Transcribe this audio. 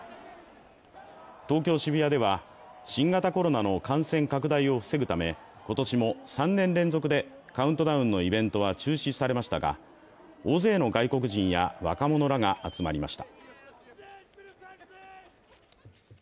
東京・渋谷では新型コロナの感染拡大を防ぐため今年も３年連続でカウントダウンのイベントは中止されましたが大勢の外国人や若者らが集まりました。